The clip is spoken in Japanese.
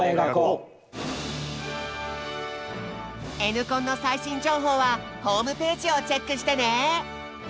「Ｎコン」の最新情報はホームページをチェックしてね！